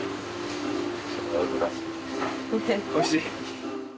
おいしい！